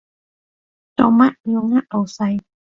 做乜要呃老細？